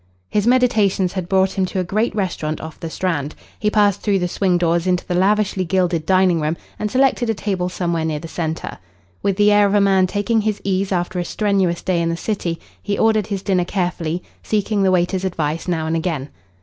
His meditations had brought him to a great restaurant off the Strand. He passed through the swing doors into the lavishly gilded dining room, and selected a table somewhere near the centre. With the air of a man taking his ease after a strenuous day in the City, he ordered his dinner carefully, seeking the waiter's advice now and again.